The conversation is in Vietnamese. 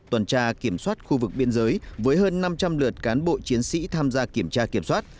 tuần tra kiểm soát khu vực biên giới với hơn năm trăm linh lượt cán bộ chiến sĩ tham gia kiểm tra kiểm soát